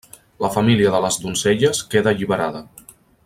La família de les donzelles queda alliberada.